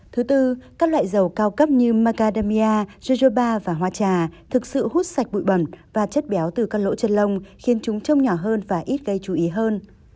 thứ tư các loại dầu cao cấp như macadamia jjoba và hoa trà thực sự hút sạch bụi bẩn và chất béo từ các lỗ chân lông khiến chúng trông nhỏ hơn và ít gây chú ý hơn